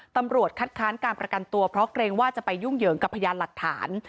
ตำรวจคัดค้านการประกันตัวเพราะเกรงว่าจะไปยุ่งเหยิงกับพยานหลักฐาน